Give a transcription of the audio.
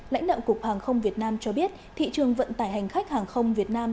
lãnh đạo cục hàng không việt nam cho biết thị trường vận tải hành khách hàng không việt nam